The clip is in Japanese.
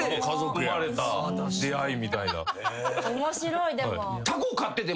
面白いでも。